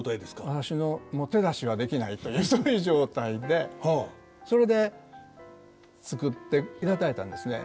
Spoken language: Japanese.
私のもう手出しできないというそういう状態でそれで作っていただいたんですね。